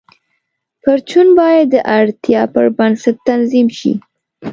پرچون باید د اړتیا پر بنسټ تنظیم شي.